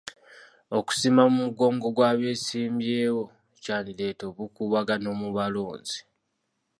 Okusimba mu mugongo gw'abesimbyewo kyandireeta obukuubagano mu balonzi.